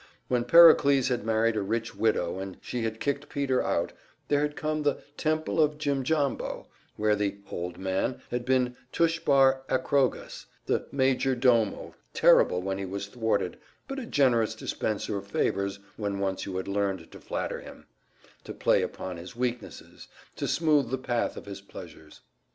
When Pericles had married a rich widow and she had kicked Peter out, there had come the Temple of Jimjambo, where the "Old Man" had been Tushbar Akrogas, the major domo terrible when he was thwarted, but a generous dispenser of favors when once you had learned to flatter him, to play upon his weaknesses, to smooth the path of his pleasures.